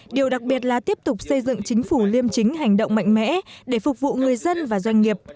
điều đặc biệt là tiếp tục xây dựng chính phủ liêm chính hành động mạnh mẽ để phục vụ người dân và doanh nghiệp